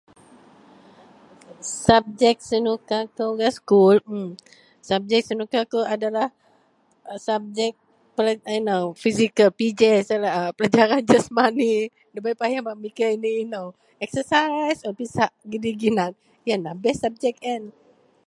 Sabjek senuka kou gak sekul, emmm, sabjek senuka kou adalah sabjek a inou fizikal, PJ sama laei a pelajaran jasmani nda payah bak pigek inou-inou. Eksesais un pisak gidei ginan. Yenlah best sabjek yen.